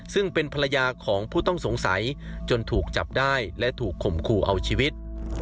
ซึ่งเป็นภรรยาของผู้ต้องสงสัยจนถูกจับได้และถูกข่มขู่เอาชีวิต